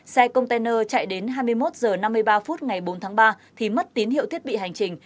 xe container chạy đến hai mươi một h năm mươi ba phút ngày bốn tháng ba thì mất tín hiệu thiết bị hành trình